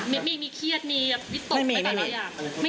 ไม่มีเครียดมีตกไม่มีอะไรอย่าง